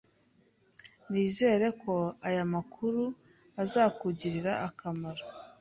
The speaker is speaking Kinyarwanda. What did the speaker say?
Nizere ko aya makuru azakugirira akamaro.